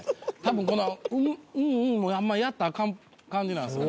この「うんうんうん」もあんまやったらあかん感じなんすよ